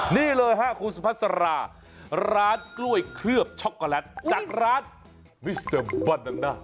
นี่เลยครับคุณสุภัสราร้านกล้วยเคลือบช็อกโกแลตจากร้านมิสเตอร์บันดา